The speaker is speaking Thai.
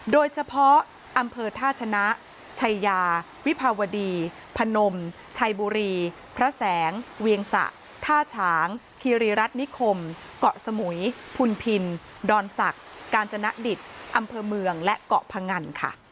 โดยเฉพาะอำเภอท่าชนะชัยยาวิภาวดีพนมชัยบุรีพระแสงเวียงสะท่าฉางคีรีรัฐนิคมเกาะสมุยพุนพินดอนศักดิ์กาญจนดิตอำเภอเมืองและเกาะพงันค่ะ